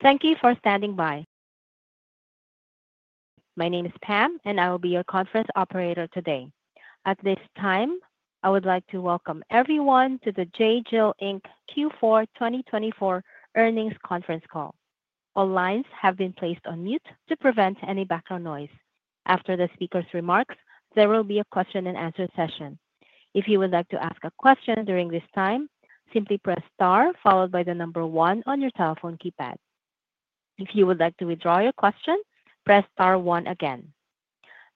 Thank you for standing by. My name is Pam, and I will be your conference operator today. At this time, I would like to welcome everyone to the J.Jill, Inc Q4 2024 Earnings Conference Call. All lines have been placed on mute to prevent any background noise. After the speaker's remarks, there will be a question-and-answer session. If you would like to ask a question during this time, simply press star followed by the number one on your telephone keypad. If you would like to withdraw your question, press star one again.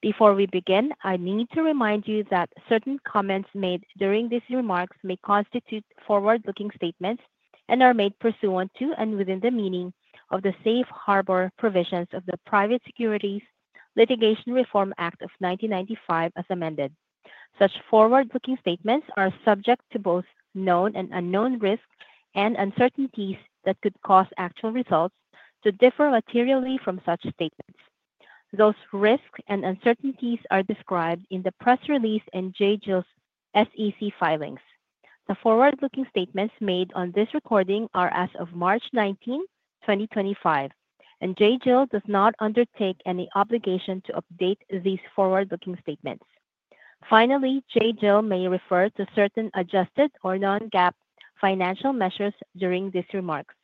Before we begin, I need to remind you that certain comments made during these remarks may constitute forward-looking statements and are made pursuant to and within the meaning of the safe harbor provisions of the Private Securities Litigation Reform Act of 1995, as amended. Such forward-looking statements are subject to both known and unknown risks and uncertainties that could cause actual results to differ materially from such statements. Those risks and uncertainties are described in the press release and J.Jill's SEC filings. The forward-looking statements made on this recording are as of March 19, 2025, and J.Jill does not undertake any obligation to update these forward-looking statements. Finally, J.Jill may refer to certain adjusted or non-GAAP financial measures during these remarks.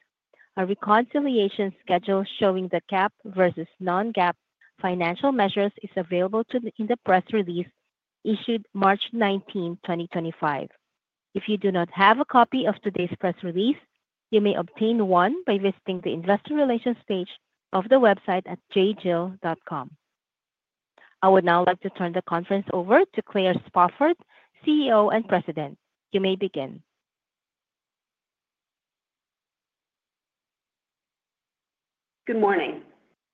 A reconciliation schedule showing the GAAP versus non-GAAP financial measures is available in the press release issued March 19, 2025. If you do not have a copy of today's press release, you may obtain one by visiting the Investor Relations page of the website at jjill.com. I would now like to turn the conference over to Claire Spofford, CEO and President. You may begin. Good morning.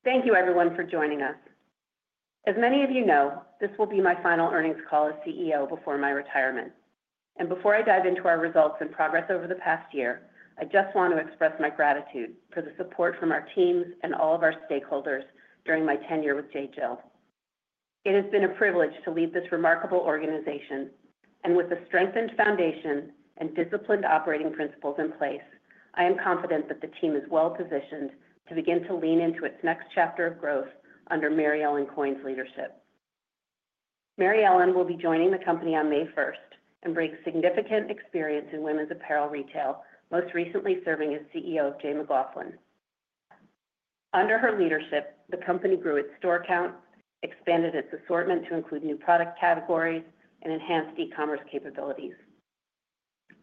Thank you, everyone, for joining us. As many of you know, this will be my final earnings call as CEO before my retirement. Before I dive into our results and progress over the past year, I just want to express my gratitude for the support from our teams and all of our stakeholders during my tenure with J.Jill. It has been a privilege to lead this remarkable organization, and with a strengthened foundation and disciplined operating principles in place, I am confident that the team is well positioned to begin to lean into its next chapter of growth under Mary Ellen Coyne's leadership. Mary Ellen will be joining the company on May 1st and brings significant experience in women's apparel retail, most recently serving as CEO of J.McLaughlin. Under her leadership, the company grew its store count, expanded its assortment to include new product categories, and enhanced e-commerce capabilities.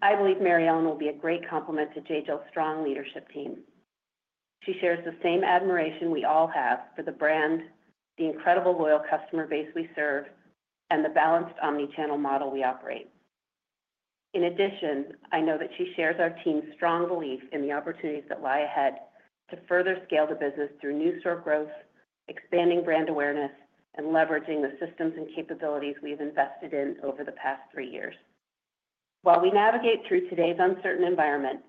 I believe Mary Ellen will be a great complement to J.Jill's strong leadership team. She shares the same admiration we all have for the brand, the incredible loyal customer base we serve, and the balanced omnichannel model we operate. In addition, I know that she shares our team's strong belief in the opportunities that lie ahead to further scale the business through new store growth, expanding brand awareness, and leveraging the systems and capabilities we have invested in over the past three years. While we navigate through today's uncertain environment,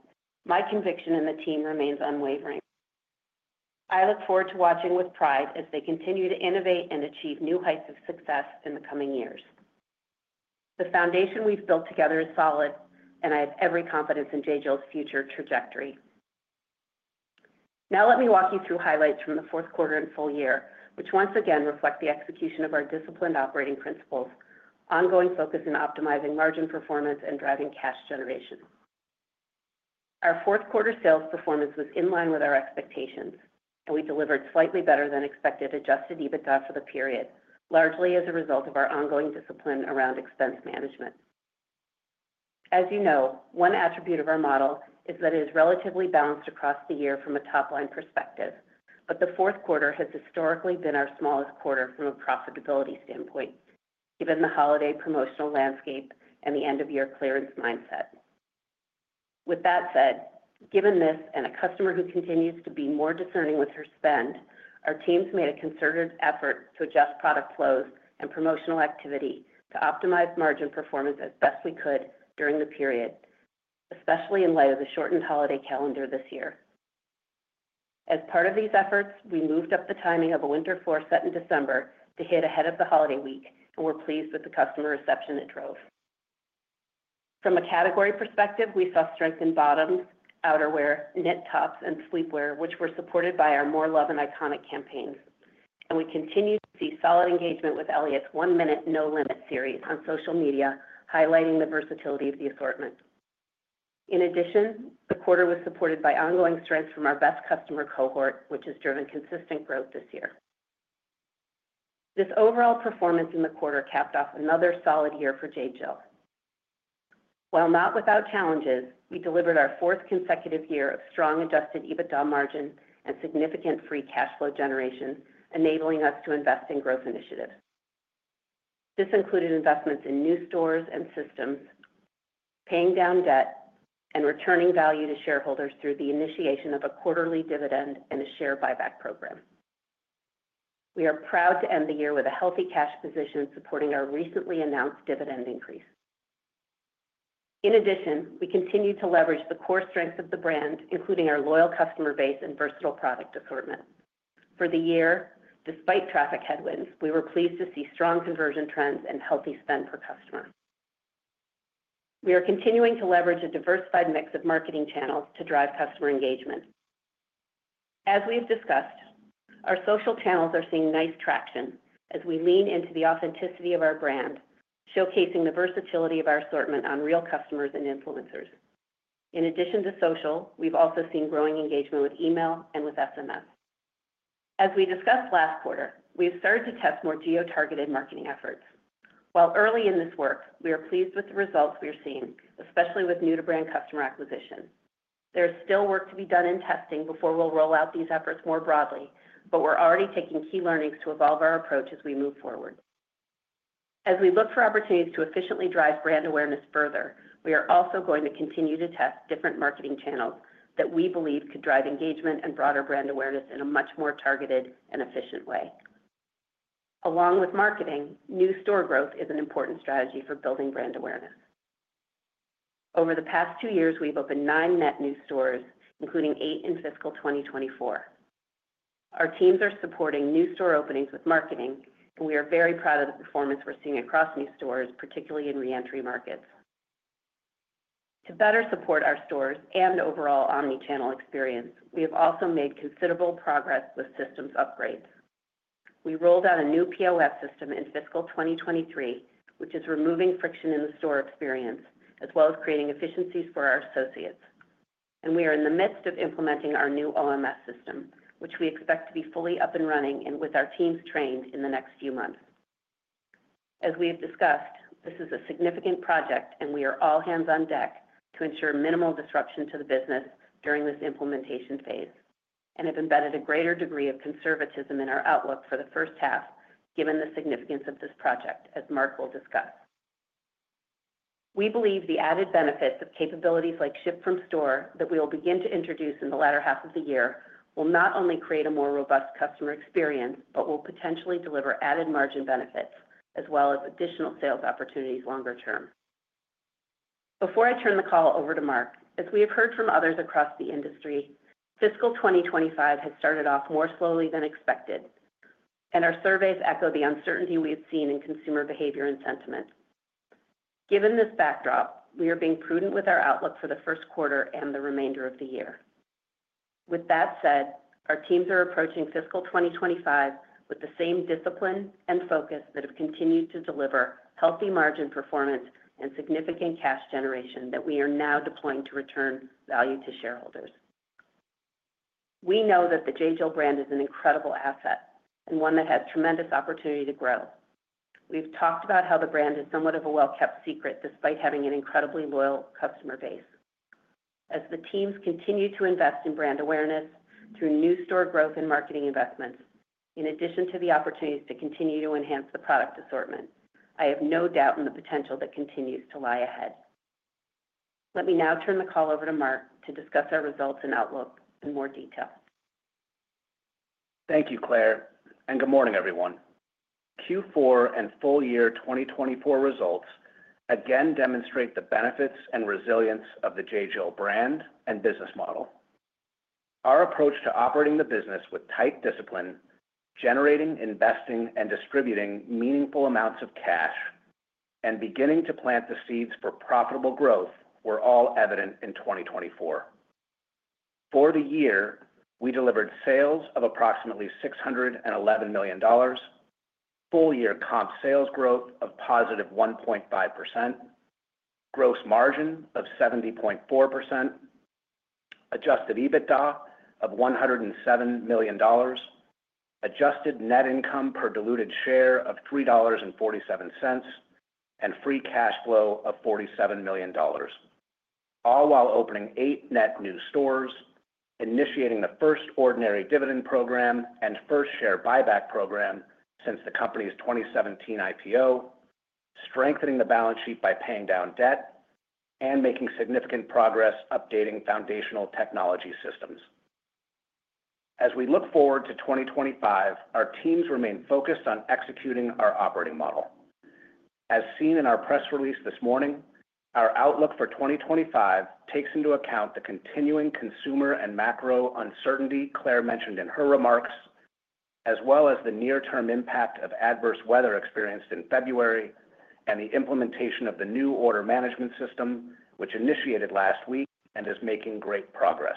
my conviction in the team remains unwavering. I look forward to watching with pride as they continue to innovate and achieve new heights of success in the coming years. The foundation we've built together is solid, and I have every confidence in J.Jill's future trajectory. Now let me walk you through highlights from the fourth quarter and full year, which once again reflect the execution of our disciplined operating principles, ongoing focus in optimizing margin performance, and driving cash generation. Our fourth quarter sales performance was in line with our expectations, and we delivered slightly better than expected adjusted EBITDA for the period, largely as a result of our ongoing discipline around expense management. As you know, one attribute of our model is that it is relatively balanced across the year from a top-line perspective, but the fourth quarter has historically been our smallest quarter from a profitability standpoint, given the holiday promotional landscape and the end-of-year clearance mindset. With that said, given this and a customer who continues to be more discerning with her spend, our teams made a concerted effort to adjust product flows and promotional activity to optimize margin performance as best we could during the period, especially in light of the shortened holiday calendar this year. As part of these efforts, we moved up the timing of a winter floor set in December to hit ahead of the holiday week, and we're pleased with the customer reception it drove. From a category perspective, we saw strength in bottoms, outerwear, knit tops, and sleepwear, which were supported by our More Love and Iconic campaigns. We continue to see solid engagement with Elliot's One Minute No Limits series on social media, highlighting the versatility of the assortment. In addition, the quarter was supported by ongoing strength from our best customer cohort, which has driven consistent growth this year. This overall performance in the quarter capped off another solid year for J.Jill. While not without challenges, we delivered our fourth consecutive year of strong adjusted EBITDA margin and significant free cash flow generation, enabling us to invest in growth initiatives. This included investments in new stores and systems, paying down debt, and returning value to shareholders through the initiation of a quarterly dividend and a share buyback program. We are proud to end the year with a healthy cash position supporting our recently announced dividend increase. In addition, we continue to leverage the core strengths of the brand, including our loyal customer base and versatile product assortment. For the year, despite traffic headwinds, we were pleased to see strong conversion trends and healthy spend per customer. We are continuing to leverage a diversified mix of marketing channels to drive customer engagement. As we've discussed, our social channels are seeing nice traction as we lean into the authenticity of our brand, showcasing the versatility of our assortment on real customers and influencers. In addition to social, we've also seen growing engagement with email and with SMS. As we discussed last quarter, we have started to test more geo-targeted marketing efforts. While early in this work, we are pleased with the results we are seeing, especially with new-to-brand customer acquisition. There is still work to be done in testing before we'll roll out these efforts more broadly, but we're already taking key learnings to evolve our approach as we move forward. As we look for opportunities to efficiently drive brand awareness further, we are also going to continue to test different marketing channels that we believe could drive engagement and broader brand awareness in a much more targeted and efficient way. Along with marketing, new store growth is an important strategy for building brand awareness. Over the past two years, we've opened nine net new stores, including eight in fiscal 2024. Our teams are supporting new store openings with marketing, and we are very proud of the performance we're seeing across new stores, particularly in re-entry markets. To better support our stores and overall omnichannel experience, we have also made considerable progress with systems upgrades. We rolled out a new POS system in fiscal 2023, which is removing friction in the store experience as well as creating efficiencies for our associates. We are in the midst of implementing our new OMS system, which we expect to be fully up and running and with our teams trained in the next few months. As we have discussed, this is a significant project, and we are all hands on deck to ensure minimal disruption to the business during this implementation phase and have embedded a greater degree of conservatism in our outlook for the first half, given the significance of this project, as Mark will discuss. We believe the added benefits of capabilities like ship from store that we will begin to introduce in the latter half of the year will not only create a more robust customer experience, but will potentially deliver added margin benefits as well as additional sales opportunities longer term. Before I turn the call over to Mark, as we have heard from others across the industry, fiscal 2025 has started off more slowly than expected, and our surveys echo the uncertainty we have seen in consumer behavior and sentiment. Given this backdrop, we are being prudent with our outlook for the first quarter and the remainder of the year. With that said, our teams are approaching fiscal 2025 with the same discipline and focus that have continued to deliver healthy margin performance and significant cash generation that we are now deploying to return value to shareholders. We know that the J.Jill brand is an incredible asset and one that has tremendous opportunity to grow. We've talked about how the brand is somewhat of a well-kept secret despite having an incredibly loyal customer base. As the teams continue to invest in brand awareness through new store growth and marketing investments, in addition to the opportunities to continue to enhance the product assortment, I have no doubt in the potential that continues to lie ahead. Let me now turn the call over to Mark to discuss our results and outlook in more detail. Thank you, Claire. Good morning, everyone. Q4 and full year 2024 results again demonstrate the benefits and resilience of the J.Jill brand and business model. Our approach to operating the business with tight discipline, generating, investing, and distributing meaningful amounts of cash, and beginning to plant the seeds for profitable growth were all evident in 2024. For the year, we delivered sales of approximately $611 million, full year comp sales growth of +1.5%, gross margin of 70.4%, adjusted EBITDA of $107 million, adjusted net income per diluted share of $3.47, and free cash flow of $47 million, all while opening eight net new stores, initiating the first ordinary dividend program and first share buyback program since the company's 2017 IPO, strengthening the balance sheet by paying down debt, and making significant progress updating foundational technology systems. As we look forward to 2025, our teams remain focused on executing our operating model. As seen in our press release this morning, our outlook for 2025 takes into account the continuing consumer and macro uncertainty Claire mentioned in her remarks, as well as the near-term impact of adverse weather experienced in February and the implementation of the new order management system, which initiated last week and is making great progress.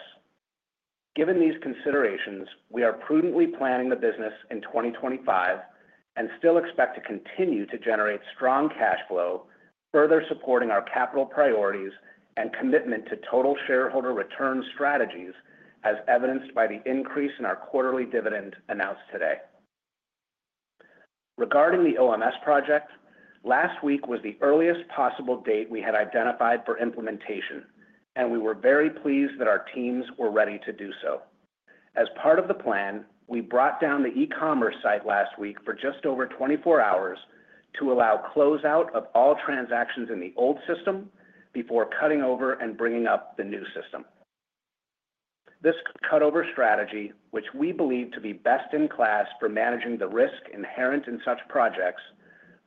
Given these considerations, we are prudently planning the business in 2025 and still expect to continue to generate strong cash flow, further supporting our capital priorities and commitment to total shareholder return strategies as evidenced by the increase in our quarterly dividend announced today. Regarding the OMS project, last week was the earliest possible date we had identified for implementation, and we were very pleased that our teams were ready to do so. As part of the plan, we brought down the e-commerce site last week for just over 24 hours to allow closeout of all transactions in the old system before cutting over and bringing up the new system. This cutover strategy, which we believe to be best in class for managing the risk inherent in such projects,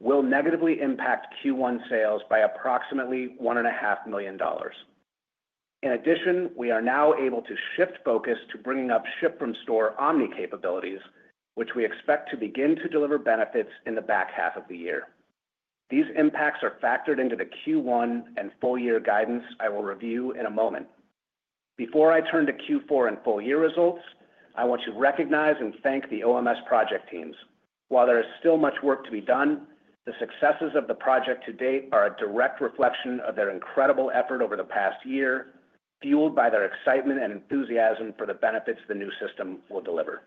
will negatively impact Q1 sales by approximately $1.5 million. In addition, we are now able to shift focus to bringing up ship from store omni capabilities, which we expect to begin to deliver benefits in the back half of the year. These impacts are factored into the Q1 and full year guidance I will review in a moment. Before I turn to Q4 and full year results, I want to recognize and thank the OMS project teams. While there is still much work to be done, the successes of the project to date are a direct reflection of their incredible effort over the past year, fueled by their excitement and enthusiasm for the benefits the new system will deliver.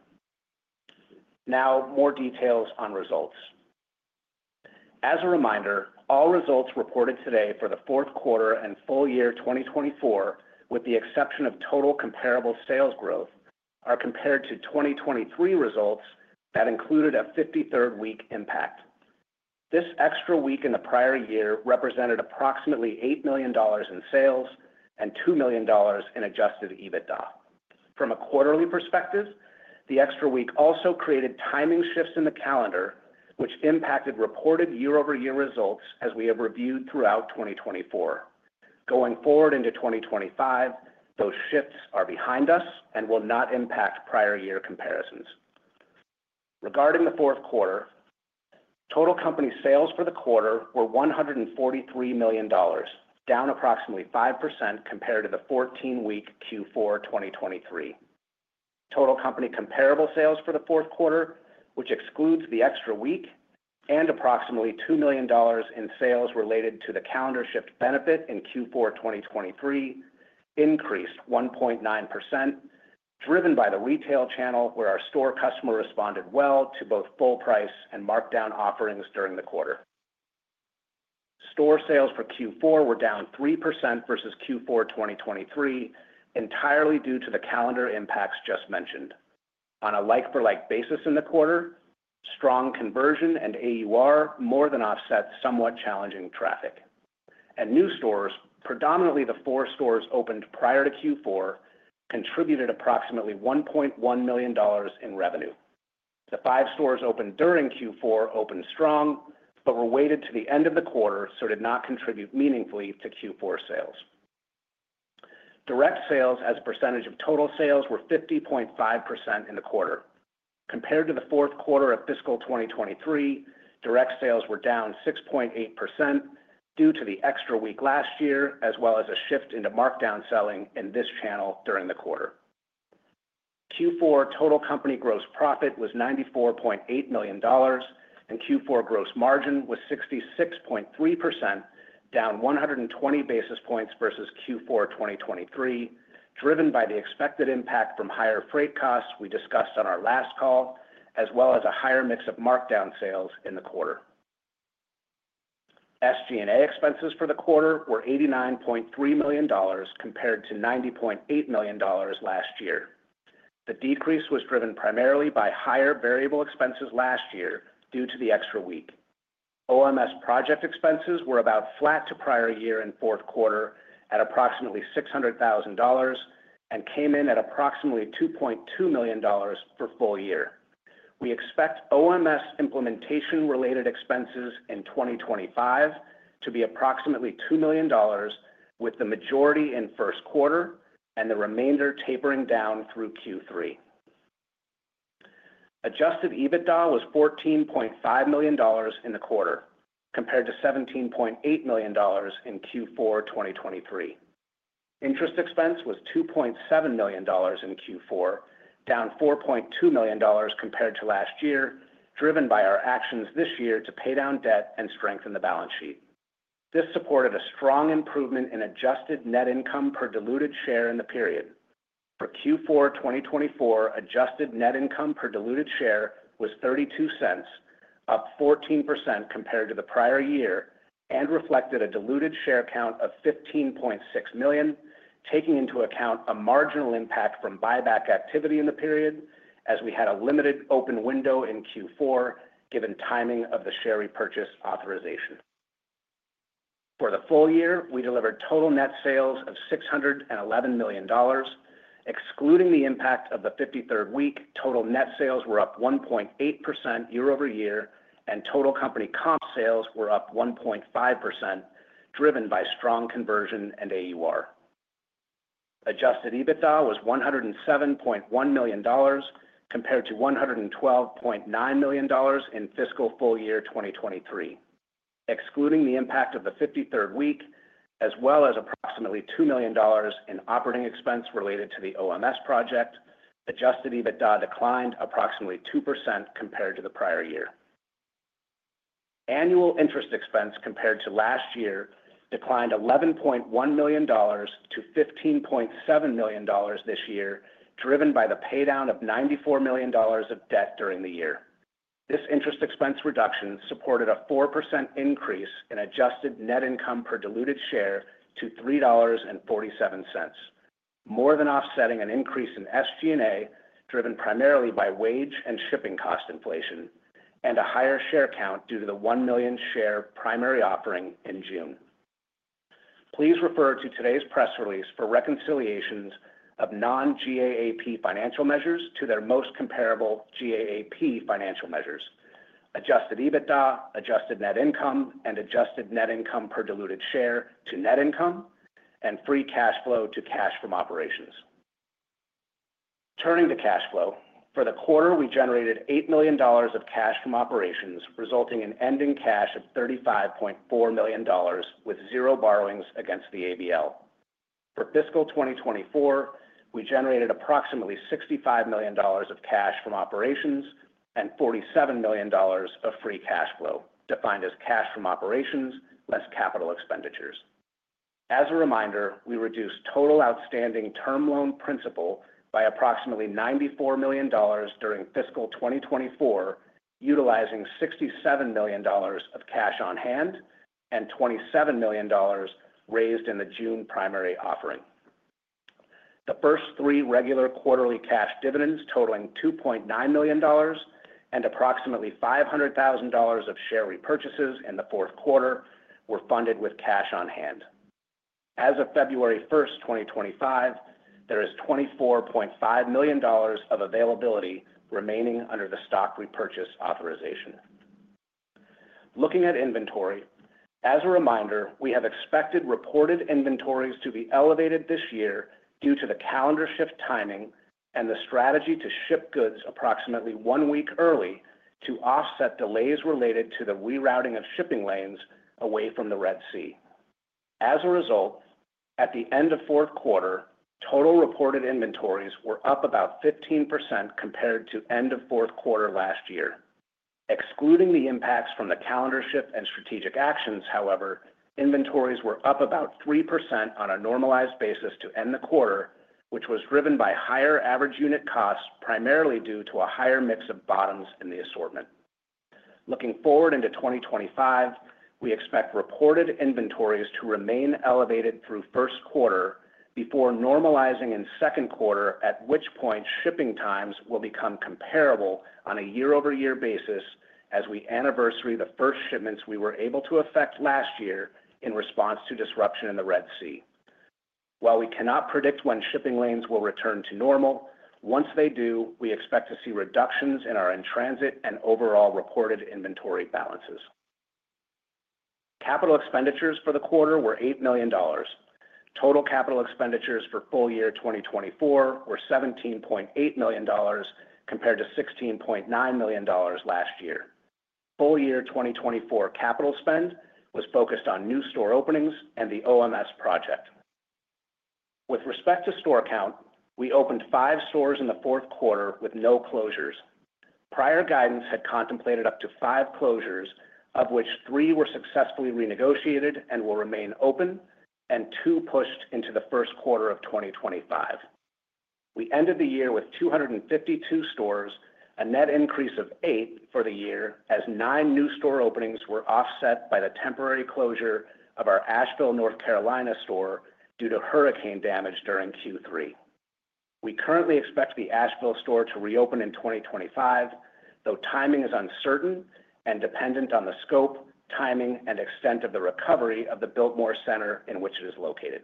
Now, more details on results. As a reminder, all results reported today for the fourth quarter and full year 2024, with the exception of total comparable sales growth, are compared to 2023 results that included a 53rd week impact. This extra week in the prior year represented approximately $8 million in sales and $2 million in adjusted EBITDA. From a quarterly perspective, the extra week also created timing shifts in the calendar, which impacted reported year-over-year results as we have reviewed throughout 2024. Going forward into 2025, those shifts are behind us and will not impact prior year comparisons. Regarding the fourth quarter, total company sales for the quarter were $143 million, down approximately 5% compared to the 14-week Q4 2023. Total company comparable sales for the fourth quarter, which excludes the extra week, and approximately $2 million in sales related to the calendar shift benefit in Q4 2023, increased 1.9%, driven by the retail channel where our store customer responded well to both full price and markdown offerings during the quarter. Store sales for Q4 were down 3% versus Q4 2023, entirely due to the calendar impacts just mentioned. On a like-for-like basis in the quarter, strong conversion and AUR more than offset somewhat challenging traffic. New stores, predominantly the four stores opened prior to Q4, contributed approximately $1.1 million in revenue. The five stores opened during Q4 opened strong but were weighted to the end of the quarter, so did not contribute meaningfully to Q4 sales. Direct sales as a percentage of total sales were 50.5% in the quarter. Compared to the fourth quarter of fiscal 2023, direct sales were down 6.8% due to the extra week last year, as well as a shift into markdown selling in this channel during the quarter. Q4 total company gross profit was $94.8 million, and Q4 gross margin was 66.3%, down 120 basis points versus Q4 2023, driven by the expected impact from higher freight costs we discussed on our last call, as well as a higher mix of markdown sales in the quarter. SG&A expenses for the quarter were $89.3 million compared to $90.8 million last year. The decrease was driven primarily by higher variable expenses last year due to the extra week. OMS project expenses were about flat to prior year in fourth quarter at approximately $600,000 and came in at approximately $2.2 million for full year. We expect OMS implementation-related expenses in 2025 to be approximately $2 million, with the majority in first quarter and the remainder tapering down through Q3. Adjusted EBITDA was $14.5 million in the quarter, compared to $17.8 million in Q4 2023. Interest expense was $2.7 million in Q4, down $4.2 million compared to last year, driven by our actions this year to pay down debt and strengthen the balance sheet. This supported a strong improvement in adjusted net income per diluted share in the period. For Q4 2024, adjusted net income per diluted share was $0.32, up 14% compared to the prior year, and reflected a diluted share count of 15.6 million, taking into account a marginal impact from buyback activity in the period, as we had a limited open window in Q4 given timing of the share repurchase authorization. For the full year, we delivered total net sales of $611 million. Excluding the impact of the 53rd week, total net sales were up 1.8% year-over-year, and total company comp sales were up 1.5%, driven by strong conversion and AUR. Adjusted EBITDA was $107.1 million compared to $112.9 million in fiscal full year 2023. Excluding the impact of the 53rd week, as well as approximately $2 million in operating expense related to the OMS project, adjusted EBITDA declined approximately 2% compared to the prior year. Annual interest expense compared to last year declined $11.1 million-$15.7 million this year, driven by the paydown of $94 million of debt during the year. This interest expense reduction supported a 4% increase in adjusted net income per diluted share to $3.47, more than offsetting an increase in SG&A driven primarily by wage and shipping cost inflation and a higher share count due to the 1 million share primary offering in June. Please refer to today's press release for reconciliations of non-GAAP financial measures to their most comparable GAAP financial measures: adjusted EBITDA, adjusted net income, and adjusted net income per diluted share to net income and free cash flow to cash from operations. Turning to cash flow, for the quarter, we generated $8 million of cash from operations, resulting in ending cash of $35.4 million with zero borrowings against the ABL. For fiscal 2024, we generated approximately $65 million of cash from operations and $47 million of free cash flow, defined as cash from operations less capital expenditures. As a reminder, we reduced total outstanding term loan principal by approximately $94 million during fiscal 2024, utilizing $67 million of cash on hand and $27 million raised in the June primary offering. The first three regular quarterly cash dividends, totaling $2.9 million and approximately $500,000 of share repurchases in the fourth quarter, were funded with cash on hand. As of February 1st, 2025, there is $24.5 million of availability remaining under the stock repurchase authorization. Looking at inventory, as a reminder, we have expected reported inventories to be elevated this year due to the calendar shift timing and the strategy to ship goods approximately one week early to offset delays related to the rerouting of shipping lanes away from the Red Sea. As a result, at the end of fourth quarter, total reported inventories were up about 15% compared to end of fourth quarter last year. Excluding the impacts from the calendar shift and strategic actions, however, inventories were up about 3% on a normalized basis to end the quarter, which was driven by higher average unit costs primarily due to a higher mix of bottoms in the assortment. Looking forward into 2025, we expect reported inventories to remain elevated through first quarter before normalizing in second quarter, at which point shipping times will become comparable on a year-over-year basis as we anniversary the first shipments we were able to affect last year in response to disruption in the Red Sea. While we cannot predict when shipping lanes will return to normal, once they do, we expect to see reductions in our in-transit and overall reported inventory balances. Capital expenditures for the quarter were $8 million. Total capital expenditures for full year 2024 were $17.8 million compared to $16.9 million last year. Full year 2024 capital spend was focused on new store openings and the OMS project. With respect to store count, we opened five stores in the fourth quarter with no closures. Prior guidance had contemplated up to five closures, of which three were successfully renegotiated and will remain open, and two pushed into the first quarter of 2025. We ended the year with 252 stores, a net increase of eight for the year, as nine new store openings were offset by the temporary closure of our Asheville, North Carolina store due to hurricane damage during Q3. We currently expect the Asheville store to reopen in 2025, though timing is uncertain and dependent on the scope, timing, and extent of the recovery of the Biltmore Center in which it is located.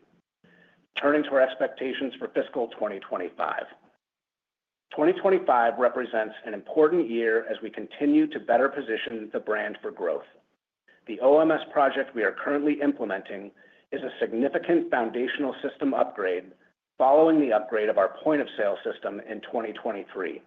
Turning to our expectations for fiscal 2025, 2025 represents an important year as we continue to better position the brand for growth. The OMS project we are currently implementing is a significant foundational system upgrade following the upgrade of our point of sale system in 2023.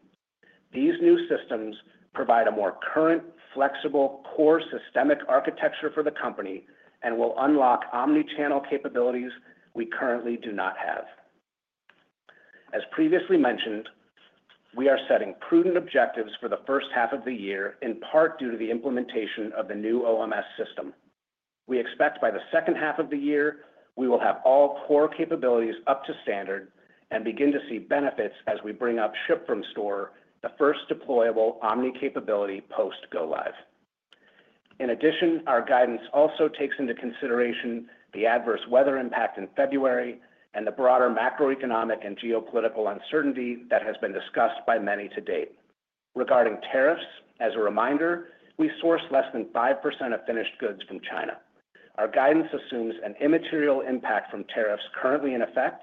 These new systems provide a more current, flexible core systemic architecture for the company and will unlock omnichannel capabilities we currently do not have. As previously mentioned, we are setting prudent objectives for the first half of the year, in part due to the implementation of the new OMS system. We expect by the second half of the year, we will have all core capabilities up to standard and begin to see benefits as we bring up ship from store, the first deployable omni capability post go-live. In addition, our guidance also takes into consideration the adverse weather impact in February and the broader macroeconomic and geopolitical uncertainty that has been discussed by many to date. Regarding tariffs, as a reminder, we source less than 5% of finished goods from China. Our guidance assumes an immaterial impact from tariffs currently in effect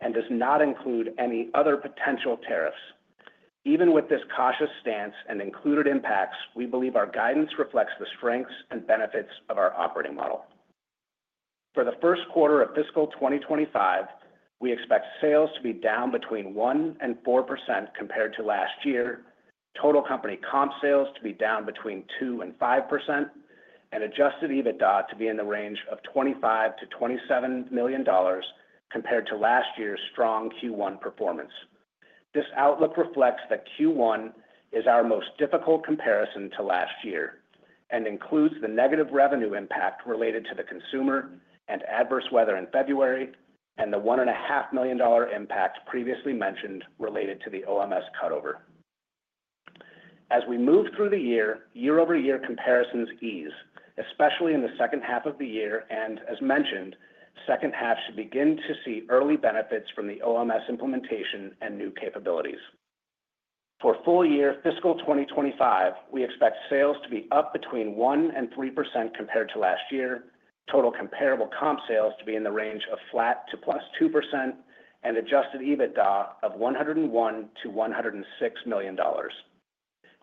and does not include any other potential tariffs. Even with this cautious stance and included impacts, we believe our guidance reflects the strengths and benefits of our operating model. For the first quarter of fiscal 2025, we expect sales to be down between 1% and 4% compared to last year, total company comp sales to be down between 2% and 5%, and adjusted EBITDA to be in the range of $25 million-$27 million compared to last year's strong Q1 performance. This outlook reflects that Q1 is our most difficult comparison to last year and includes the negative revenue impact related to the consumer and adverse weather in February and the $1.5 million impact previously mentioned related to the OMS cutover. As we move through the year, year-over-year comparisons ease, especially in the second half of the year, and as mentioned, second half should begin to see early benefits from the OMS implementation and new capabilities. For full year fiscal 2025, we expect sales to be up between 1% and 3% compared to last year, total comparable comp sales to be in the range of flat to +2%, and adjusted EBITDA of $101 million-$106 million.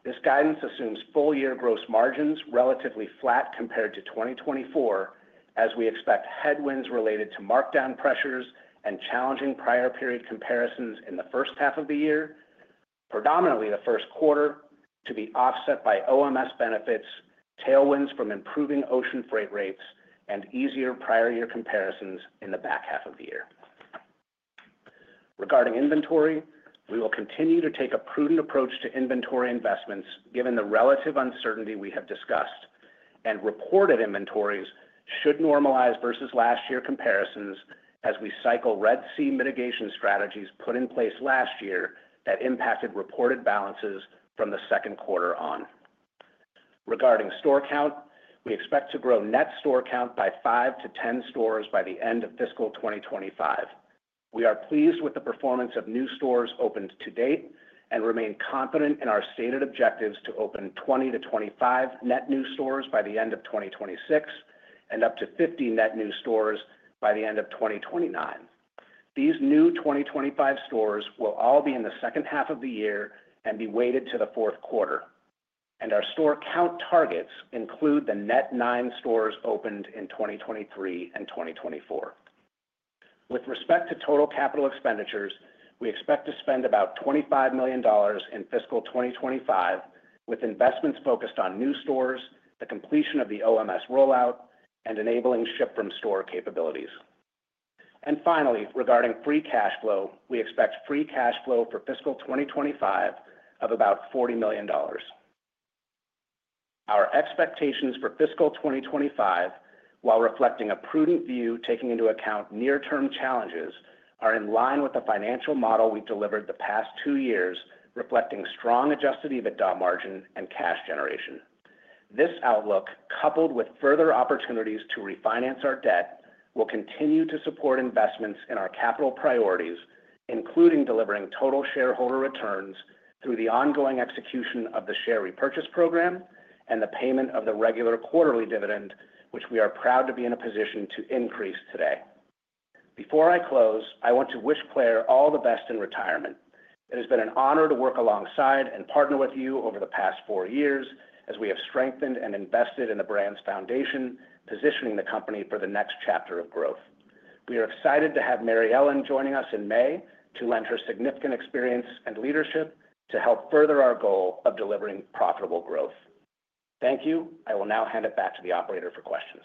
This guidance assumes full year gross margins relatively flat compared to 2024, as we expect headwinds related to markdown pressures and challenging prior period comparisons in the first half of the year, predominantly the first quarter, to be offset by OMS benefits, tailwinds from improving ocean freight rates, and easier prior year comparisons in the back half of the year. Regarding inventory, we will continue to take a prudent approach to inventory investments given the relative uncertainty we have discussed, and reported inventories should normalize versus last year comparisons as we cycle Red Sea mitigation strategies put in place last year that impacted reported balances from the second quarter on. Regarding store count, we expect to grow net store count by 5-10 stores by the end of fiscal 2025. We are pleased with the performance of new stores opened to date and remain confident in our stated objectives to open 20-25 net new stores by the end of 2026 and up to 50 net new stores by the end of 2029. These new 2025 stores will all be in the second half of the year and be weighted to the fourth quarter, and our store count targets include the net nine stores opened in 2023 and 2024. With respect to total capital expenditures, we expect to spend about $25 million in fiscal 2025, with investments focused on new stores, the completion of the OMS rollout, and enabling ship from store capabilities. Finally, regarding free cash flow, we expect free cash flow for fiscal 2025 of about $40 million. Our expectations for fiscal 2025, while reflecting a prudent view taking into account near-term challenges, are in line with the financial model we delivered the past two years, reflecting strong adjusted EBITDA margin and cash generation. This outlook, coupled with further opportunities to refinance our debt, will continue to support investments in our capital priorities, including delivering total shareholder returns through the ongoing execution of the share repurchase program and the payment of the regular quarterly dividend, which we are proud to be in a position to increase today. Before I close, I want to wish Claire all the best in retirement. It has been an honor to work alongside and partner with you over the past four years as we have strengthened and invested in the brand's foundation, positioning the company for the next chapter of growth. We are excited to have Mary Ellen joining us in May to lend her significant experience and leadership to help further our goal of delivering profitable growth. Thank you. I will now hand it back to the operator for questions.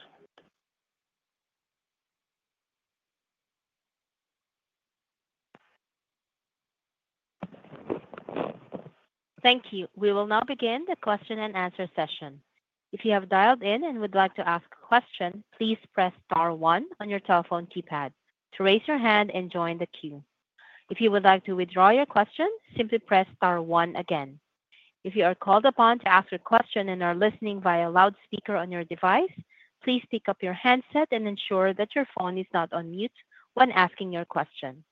Thank you. We will now begin the question-and-answer session. If you have dialed in and would like to ask a question, please press star one on your telephone keypad to raise your hand and join the queue. If you would like to withdraw your question, simply press star one again. If you are called upon to ask a question and are listening via loudspeaker on your device, please pick up your handset and ensure that your phone is not on mute when asking your question.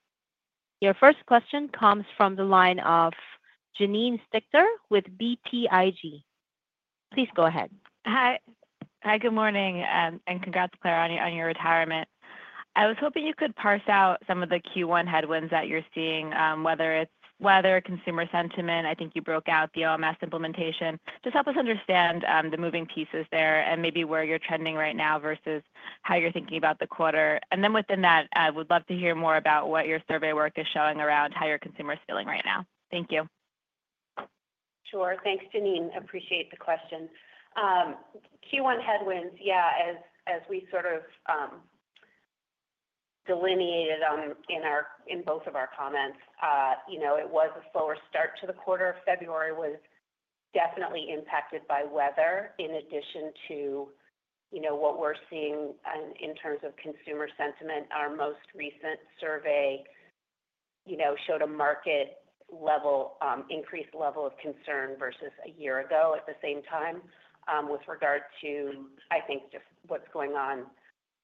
Your first question comes from the line of Janine Stichter with BTIG. Please go ahead. Hi. Hi, good morning, and congrats Claire on your retirement. I was hoping you could parse out some of the Q1 headwinds that you're seeing, whether it's weather, consumer sentiment. I think you broke out the OMS implementation. Just help us understand the moving pieces there and maybe where you're trending right now versus how you're thinking about the quarter. Within that, I would love to hear more about what your survey work is showing around how your consumer is feeling right now. Thank you. Sure. Thanks, Janine. Appreciate the question. Q1 headwinds, yeah, as we sort of delineated in both of our comments, it was a slower start to the quarter. February was definitely impacted by weather in addition to what we're seeing in terms of consumer sentiment. Our most recent survey showed a market level increased level of concern versus a year ago at the same time with regard to, I think, just what's going on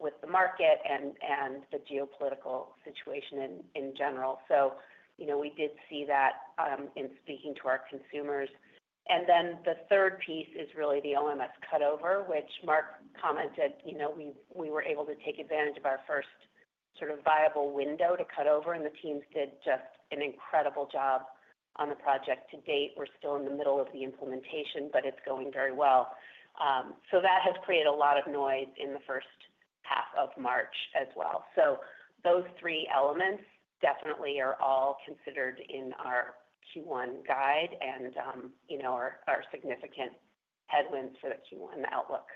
with the market and the geopolitical situation in general. We did see that in speaking to our consumers. The third piece is really the OMS cutover, which Mark commented we were able to take advantage of our first sort of viable window to cut over, and the teams did just an incredible job on the project to date. We're still in the middle of the implementation, but it's going very well. That has created a lot of noise in the first half of March as well. Those three elements definitely are all considered in our Q1 guide and are significant headwinds for the Q1 outlook.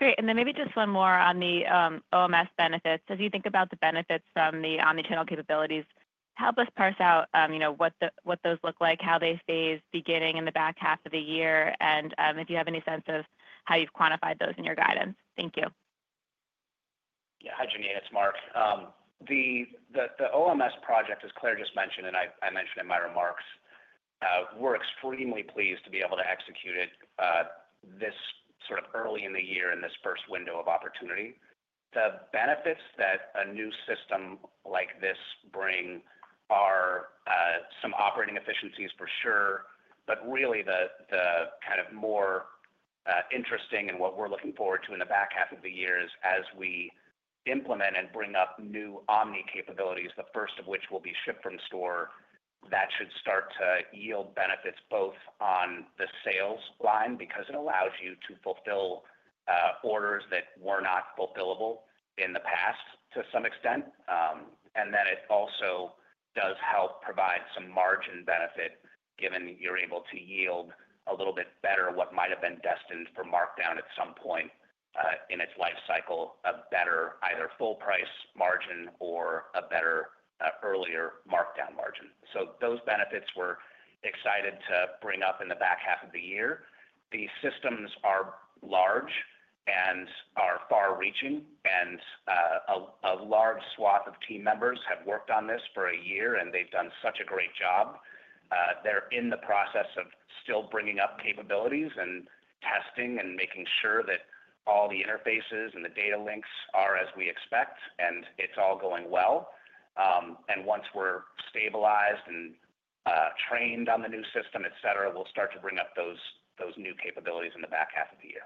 Great. Maybe just one more on the OMS benefits. As you think about the benefits from the omnichannel capabilities, help us parse out what those look like, how they phase beginning in the back half of the year, and if you have any sense of how you've quantified those in your guidance. Thank you. Yeah, hi, Janine. It's Mark. The OMS project, as Claire just mentioned, and I mentioned in my remarks, we're extremely pleased to be able to execute it this sort of early in the year in this first window of opportunity. The benefits that a new system like this brings are some operating efficiencies for sure, but really the kind of more interesting and what we're looking forward to in the back half of the year is as we implement and bring up new omni capabilities, the first of which will be ship from store, that should start to yield benefits both on the sales line because it allows you to fulfill orders that were not fulfillable in the past to some extent, and then it also does help provide some margin benefit given you're able to yield a little bit better what might have been destined for markdown at some point in its life cycle of better either full price margin or a better earlier markdown margin. Those benefits we're excited to bring up in the back half of the year. The systems are large and are far-reaching, and a large swath of team members have worked on this for a year, and they've done such a great job. They are in the process of still bringing up capabilities and testing and making sure that all the interfaces and the data links are as we expect, and it is all going well. Once we are stabilized and trained on the new system, etc., we will start to bring up those new capabilities in the back half of the year.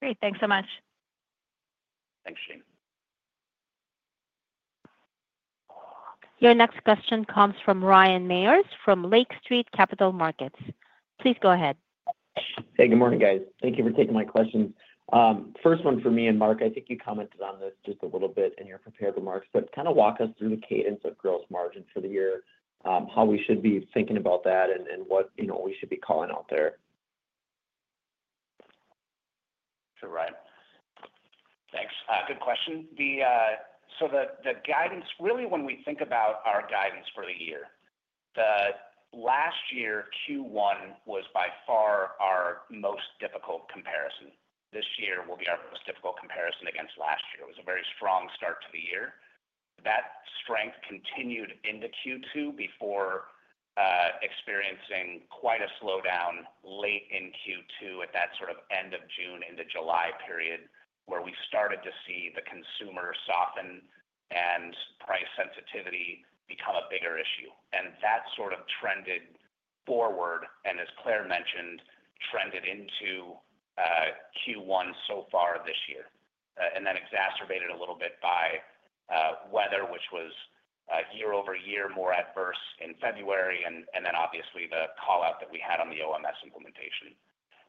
Great. Thanks so much. Thanks, Janine. Your next question comes from Ryan Meyers from Lake Street Capital Markets. Please go ahead. Hey, good morning, guys. Thank you for taking my questions. First one for me and Mark, I think you commented on this just a little bit in your prepared remarks, but kind of walk us through the cadence of gross margin for the year, how we should be thinking about that, and what we should be calling out there. Sure. Right. Thanks. Good question. The guidance, really when we think about our guidance for the year, last year Q1 was by far our most difficult comparison. This year will be our most difficult comparison against last year. It was a very strong start to the year. That strength continued into Q2 before experiencing quite a slowdown late in Q2 at that sort of end of June into July period where we started to see the consumer soften and price sensitivity become a bigger issue. That sort of trended forward, and as Claire mentioned, trended into Q1 so far this year, and then exacerbated a little bit by weather, which was year-over-year more adverse in February, and then obviously the callout that we had on the OMS implementation.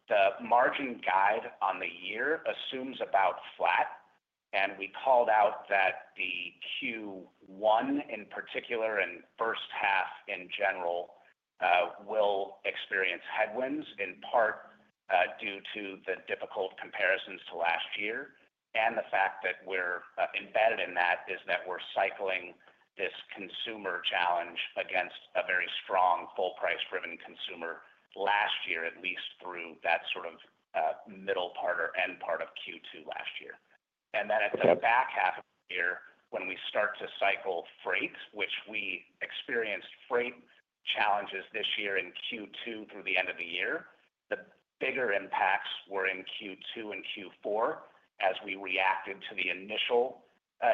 The margin guide on the year assumes about flat, and we called out that the Q1 in particular and first half in general will experience headwinds in part due to the difficult comparisons to last year. The fact that we're embedded in that is that we're cycling this consumer challenge against a very strong full price-driven consumer last year, at least through that sort of middle part or end part of Q2 last year. At the back half of the year, when we start to cycle freight, which we experienced freight challenges this year in Q2 through the end of the year, the bigger impacts were in Q2 and Q4 as we reacted to the initial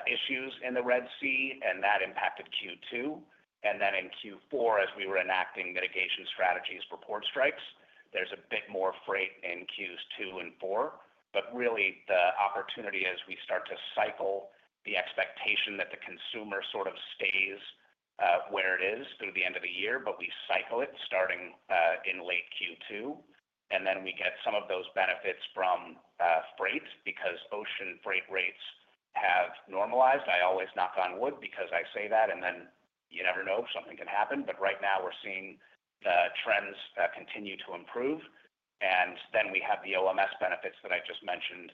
issues in the Red Sea, and that impacted Q2. In Q4, as we were enacting mitigation strategies for port strikes, there's a bit more freight in Q2 and Q4. Really, the opportunity as we start to cycle the expectation that the consumer sort of stays where it is through the end of the year, but we cycle it starting in late Q2, and then we get some of those benefits from freight because ocean freight rates have normalized. I always knock on wood because I say that, and then you never know if something can happen. Right now, we're seeing the trends continue to improve. We have the OMS benefits that I just mentioned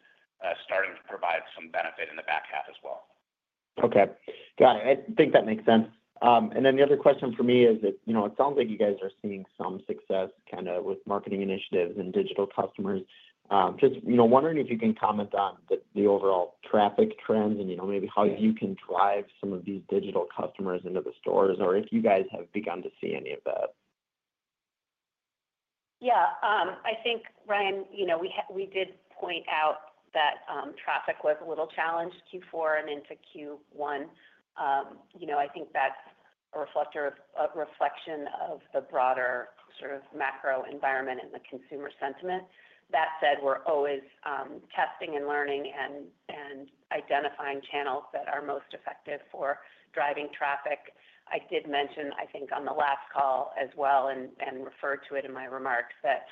starting to provide some benefit in the back half as well. Okay. Got it. I think that makes sense. The other question for me is that it sounds like you guys are seeing some success kind of with marketing initiatives and digital customers. Just wondering if you can comment on the overall traffic trends and maybe how you can drive some of these digital customers into the stores or if you guys have begun to see any of that. Yeah. I think, Ryan, we did point out that traffic was a little challenged Q4 and into Q1. I think that's a reflection of the broader sort of macro environment and the consumer sentiment. That said, we're always testing and learning and identifying channels that are most effective for driving traffic. I did mention, I think, on the last call as well and referred to it in my remarks that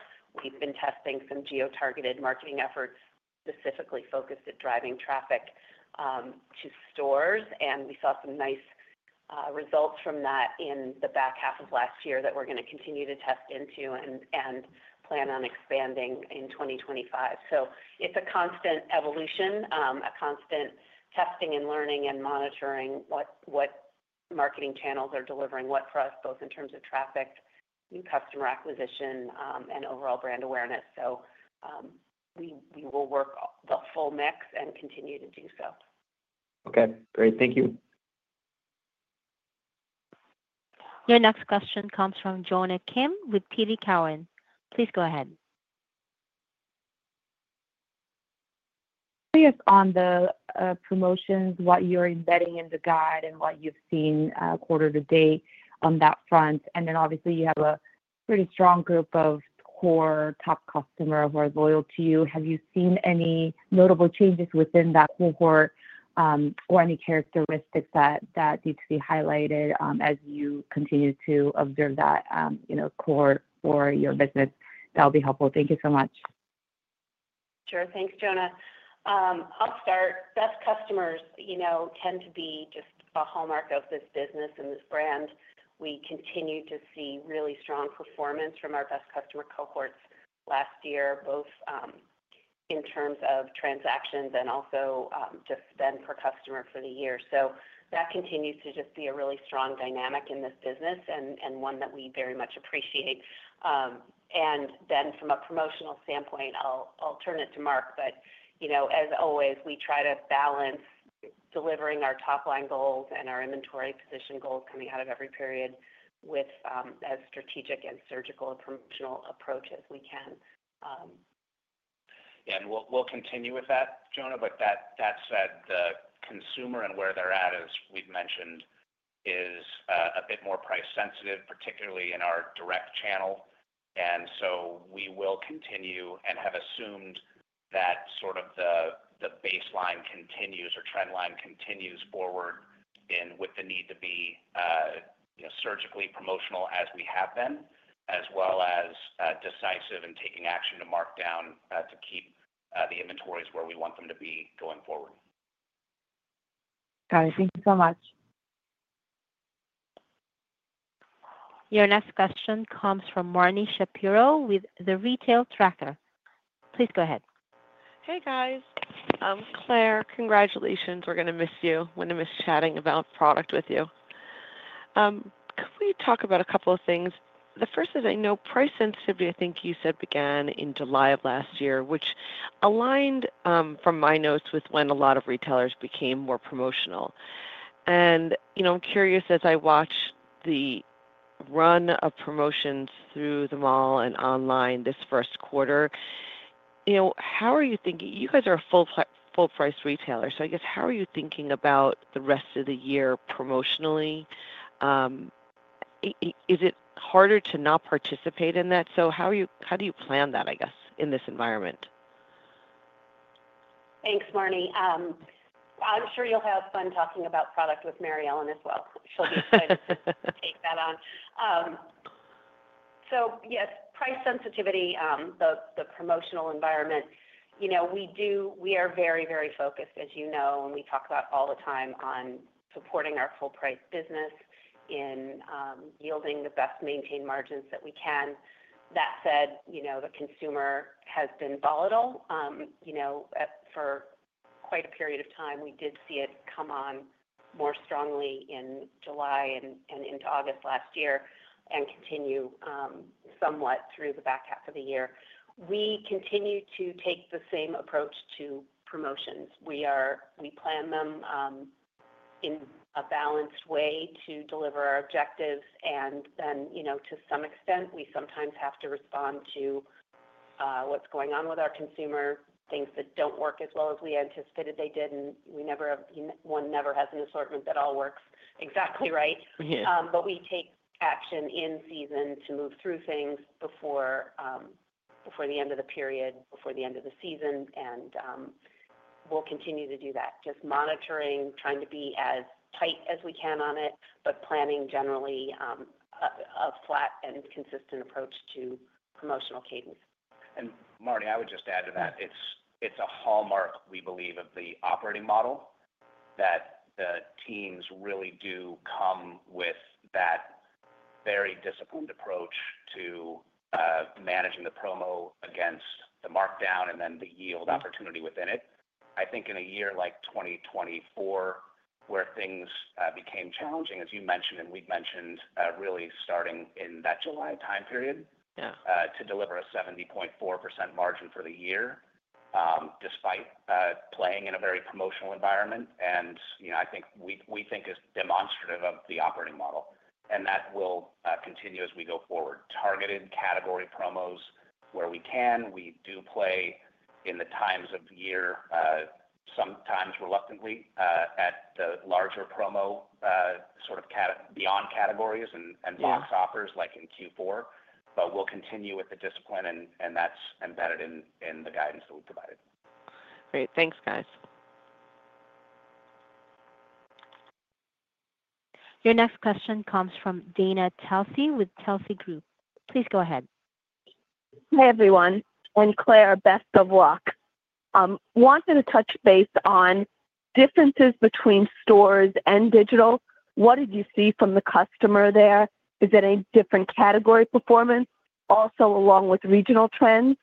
we've been testing some geo-targeted marketing efforts specifically focused at driving traffic to stores, and we saw some nice results from that in the back half of last year that we're going to continue to test into and plan on expanding in 2025. It is a constant evolution, a constant testing and learning and monitoring what marketing channels are delivering what for us, both in terms of traffic, new customer acquisition, and overall brand awareness. We will work the full mix and continue to do so. Okay. Great. Thank you. Your next question comes from Jonna Kim with TD Cowen. Please go ahead. Curious on the promotions, what you're embedding in the guide and what you've seen quarter to date on that front. You have a pretty strong group of core top customers who are loyal to you. Have you seen any notable changes within that cohort or any characteristics that need to be highlighted as you continue to observe that core for your business? That'll be helpful. Thank you so much. Sure. Thanks, Jonna. I'll start. Best customers tend to be just a hallmark of this business and this brand. We continue to see really strong performance from our best customer cohorts last year, both in terms of transactions and also just spend per customer for the year. That continues to just be a really strong dynamic in this business and one that we very much appreciate. From a promotional standpoint, I'll turn it to Mark, but as always, we try to balance delivering our top-line goals and our inventory position goals coming out of every period with as strategic and surgical promotional approach as we can. Yeah. We will continue with that, Jonna. That said, the consumer and where they're at, as we've mentioned, is a bit more price-sensitive, particularly in our direct channel. We will continue and have assumed that sort of the baseline continues or trend line continues forward with the need to be surgically promotional as we have been, as well as decisive in taking action to mark down to keep the inventories where we want them to be going forward. Got it. Thank you so much. Your next question comes from Marni Shapiro with The Retail Tracker. Please go ahead. Hey, guys. Claire, congratulations. We're going to miss you. We're going to miss chatting about product with you. Could we talk about a couple of things? The first is I know price sensitivity, I think you said, began in July of last year, which aligned from my notes with when a lot of retailers became more promotional. I'm curious, as I watch the run of promotions through the mall and online this first quarter, how are you thinking? You guys are a full-price retailer, so I guess how are you thinking about the rest of the year promotionally? Is it harder to not participate in that? How do you plan that, I guess, in this environment? Thanks, Marni. I'm sure you'll have fun talking about product with Mary Ellen as well. She'll be excited to take that on. Yes, price sensitivity, the promotional environment. We are very, very focused, as you know, and we talk about all the time on supporting our full-price business in yielding the best maintained margins that we can. That said, the consumer has been volatile. For quite a period of time, we did see it come on more strongly in July and into August last year and continue somewhat through the back half of the year. We continue to take the same approach to promotions. We plan them in a balanced way to deliver our objectives, and then to some extent, we sometimes have to respond to what's going on with our consumer, things that do not work as well as we anticipated they did. One never has an assortment that all works exactly right. We take action in season to move through things before the end of the period, before the end of the season, and we will continue to do that, just monitoring, trying to be as tight as we can on it, but planning generally a flat and consistent approach to promotional cadence. Marni, I would just add to that. It is a hallmark, we believe, of the operating model that the teams really do come with that very disciplined approach to managing the promo against the markdown and then the yield opportunity within it. I think in a year like 2024, where things became challenging, as you mentioned, and we have mentioned really starting in that July time period to deliver a 70.4% margin for the year despite playing in a very promotional environment. I think we think it is demonstrative of the operating model, and that will continue as we go-forward. Targeted category promos where we can. We do play in the times of the year, sometimes reluctantly, at the larger promo sort of beyond categories and box offers like in Q4, but we will continue with the discipline, and that is embedded in the guidance that we have provided. Great. Thanks, guys. Your next question comes from Dana Telsey with Telsey Group. Please go ahead. Hi everyone. Claire, best of luck. Wanted to touch base on differences between stores and digital. What did you see from the customer there? Is it a different category performance? Also, along with regional trends?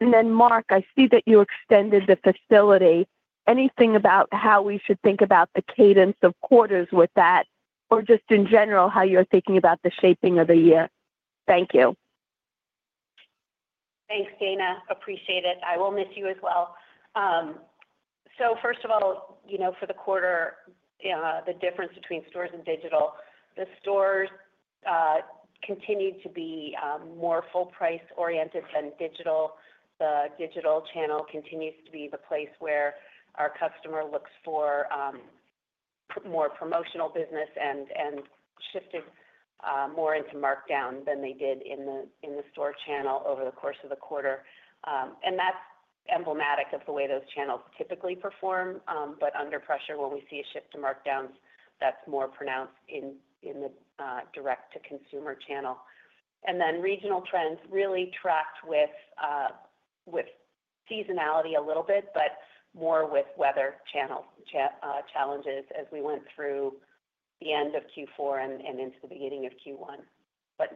Mark, I see that you extended the facility. Anything about how we should think about the cadence of quarters with that, or just in general how you're thinking about the shaping of the year? Thank you. Thanks, Dana. Appreciate it. I will miss you as well. First of all, for the quarter, the difference between stores and digital, the stores continue to be more full-price oriented than digital. The digital channel continues to be the place where our customer looks for more promotional business and shifted more into markdown than they did in the store channel over the course of the quarter. That is emblematic of the way those channels typically perform, but under pressure, when we see a shift to markdowns, that is more pronounced in the direct-to-consumer channel. Regional trends really tracked with seasonality a little bit, but more with weather challenges as we went through the end of Q4 and into the beginning of Q1.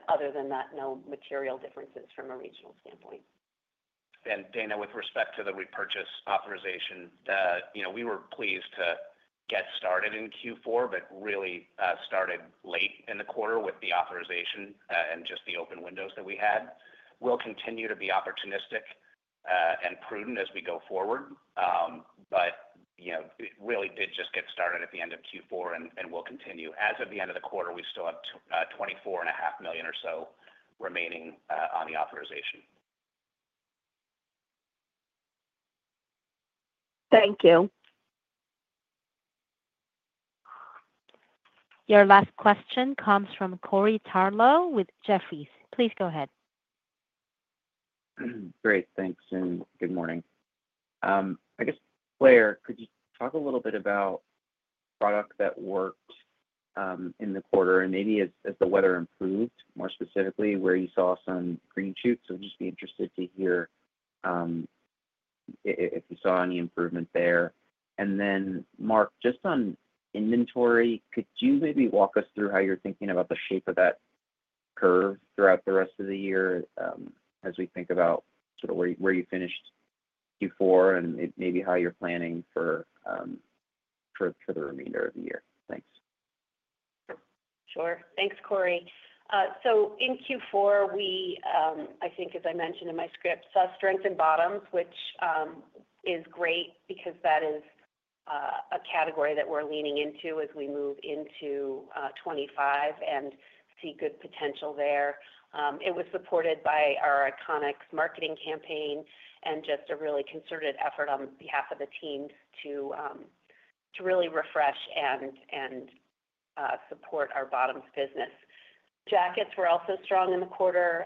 Other than that, no material differences from a regional standpoint. Dana, with respect to the repurchase authorization, we were pleased to get started in Q4, but really started late in the quarter with the authorization and just the open windows that we had. We will continue to be opportunistic and prudent as we go-forward, but it really did just get started at the end of Q4, and we will continue. As of the end of the quarter, we still have $24.5 million or so remaining on the authorization. Thank you. Your last question comes from Corey Tarlowe with Jefferies. Please go ahead. Great. Thanks, and good morning. I guess, Claire, could you talk a little bit about product that worked in the quarter and maybe as the weather improved, more specifically, where you saw some green shoots? I'd just be interested to hear if you saw any improvement there. Mark, just on inventory, could you maybe walk us through how you're thinking about the shape of that curve throughout the rest of the year as we think about sort of where you finished Q4 and maybe how you're planning for the remainder of the year? Thanks. Sure. Thanks, Corey. In Q4, I think, as I mentioned in my script, saw strengths in bottoms, which is great because that is a category that we're leaning into as we move into 2025 and see good potential there. It was supported by our iconic marketing campaign and just a really concerted effort on behalf of the team to really refresh and support our bottoms business. Jackets were also strong in the quarter,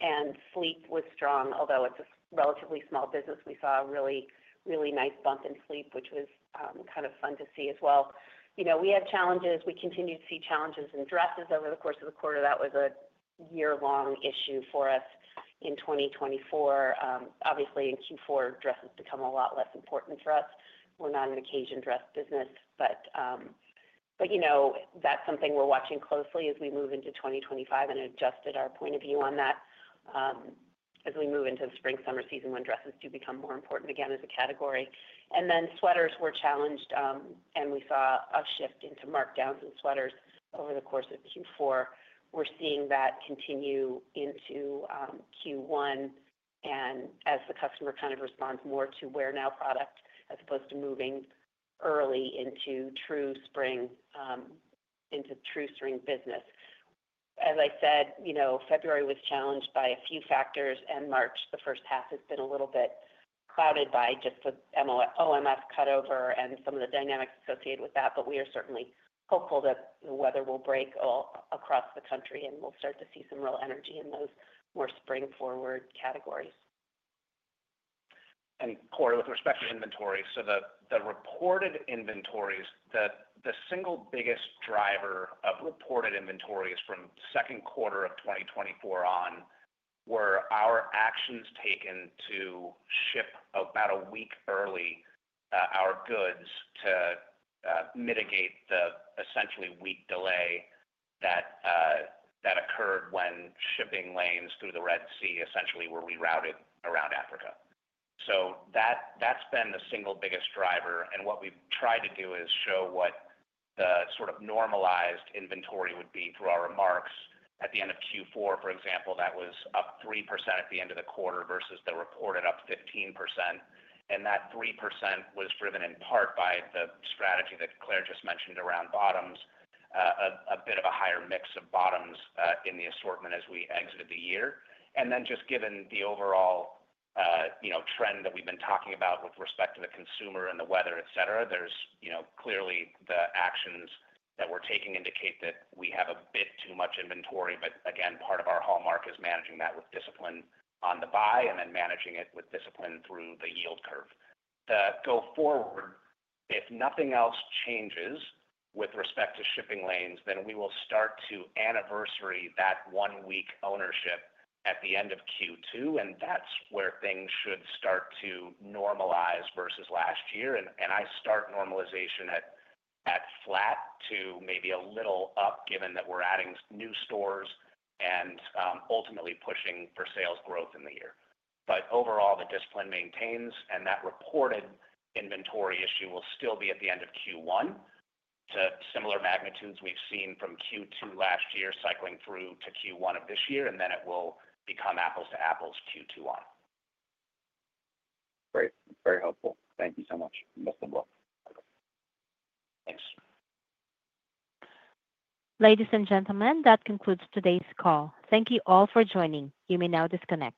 and sleep was strong, although it's a relatively small business. We saw a really, really nice bump in sleep, which was kind of fun to see as well. We had challenges. We continue to see challenges in dresses over the course of the quarter. That was a year-long issue for us in 2024. Obviously, in Q4, dresses become a lot less important for us. We're not an occasion dress business, but that's something we're watching closely as we move into 2025 and adjusted our point of view on that as we move into the spring-summer season when dresses do become more important again as a category. Sweaters were challenged, and we saw a shift into markdowns in sweaters over the course of Q4. We're seeing that continue into Q1, and as the customer kind of responds more to wear now product as opposed to moving early into true spring business. As I said, February was challenged by a few factors, and March, the first half, has been a little bit clouded by just the OMS cutover and some of the dynamics associated with that, but we are certainly hopeful that the weather will break across the country, and we'll start to see some real energy in those more spring-forward categories. Corey, with respect to inventory, the single biggest driver of reported inventories from second quarter of 2024 on were our actions taken to ship about a week early our goods to mitigate the essentially week delay that occurred when shipping lanes through the Red Sea essentially were rerouted around Africa. That has been the single biggest driver. What we've tried to do is show what the sort of normalized inventory would be through our remarks. At the end of Q4, for example, that was up 3% at the end of the quarter versus the reported up 15%. That 3% was driven in part by the strategy that Claire just mentioned around bottoms, a bit of a higher mix of bottoms in the assortment as we exited the year. Just given the overall trend that we've been talking about with respect to the consumer and the weather, etc., there's clearly the actions that we're taking indicate that we have a bit too much inventory, but again, part of our hallmark is managing that with discipline on the buy and then managing it with discipline through the yield curve. The go-forward, if nothing else changes with respect to shipping lanes, we will start to anniversary that one-week ownership at the end of Q2, and that's where things should start to normalize versus last year. I start normalization at flat to maybe a little up, given that we're adding new stores and ultimately pushing for sales growth in the year. Overall, the discipline maintains, and that reported inventory issue will still be at the end of Q1 to similar magnitudes we've seen from Q2 last year cycling through to Q1 of this year, and then it will become apples-to-apples Q2 on. Great. Very helpful. Thank you so much. Best of luck. Thanks. Ladies and gentlemen, that concludes today's call. Thank you all for joining. You may now disconnect.